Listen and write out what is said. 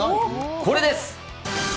これです。